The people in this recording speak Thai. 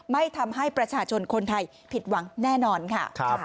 ไม่ทำให้ประชาชนคนไทยผิดหวังแน่นอนค่ะ